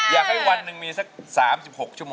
อยากให้วันนึงมีสัก๓๖ชม